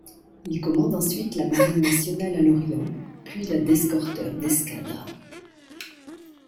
Il commande ensuite la Marine nationale à Lorient puis la d'escorteurs d'escadre.